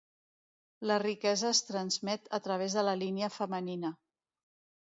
La riquesa es transmet a través de la línia femenina.